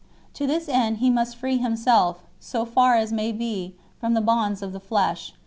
To this end he must free himself, so far as may be, from the bonds of the flesh 7